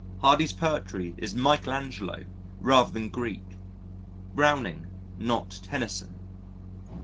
Hardy's poetry is Michael Angelo rather than Greek, Browning not Tennyson.